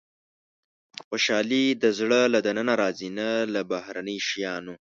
• خوشالي د زړه له دننه راځي، نه له بهرني شیانو.